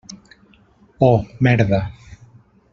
Oh, merda.